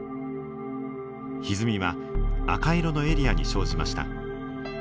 ひずみは赤色のエリアに生じました。